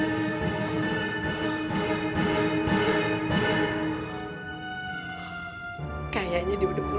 pokoknya lu berdua bantuin gue